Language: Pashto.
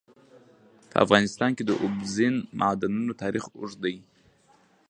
په افغانستان کې د اوبزین معدنونه تاریخ اوږد دی.